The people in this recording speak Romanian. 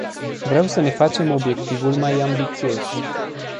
Vreau să ne facem obiectivul mai ambițios.